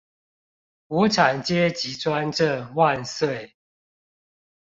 無產階級專政萬歲！